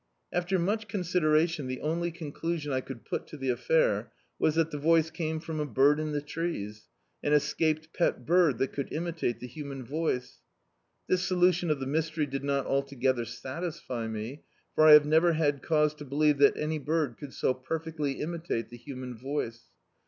After much consideratim the only con* elusion I could put to the affair was that the voice came from a bird in the trees; an escaped pet bird that could imitate the human voice. This solution of the mystery did not altogether satisfy me, for I have never had cause to believe that any bird could so perfectly imitate the human voice.